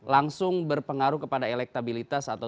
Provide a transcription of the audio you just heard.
langsung berpengaruh kepada elektabilitas atau